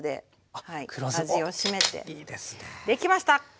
できました！